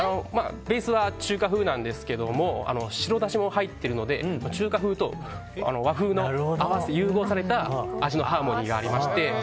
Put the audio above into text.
ベースは中華風なんですが白だしも入っているので中華風と和風が融合された味のハーモニーがありまして。